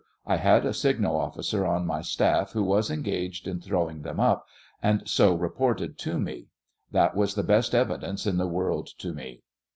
I had a signal officer on my staff who was engag ed in throwing them up, and so reported to me ; that was the best evidence in the world to me.